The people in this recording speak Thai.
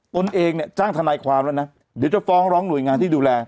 ตนเองเนี่ยจ้างทนายความแล้วนะเดี๋ยวจะฟ้องร้องหน่วยงานที่ดูแล